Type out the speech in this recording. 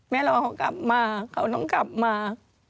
รอเขากลับมาเขาต้องกลับมา